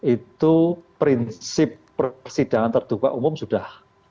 itu prinsip persidangan terduga umum sudah